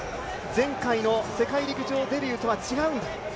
前回の世界陸上デビューとは違うんだ。